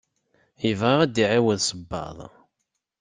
Yebɣa ad d-iɛiwed sebbaḍ.